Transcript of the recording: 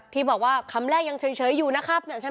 ที่บอกว่าคำแรกยังเฉยอยู่นะครับ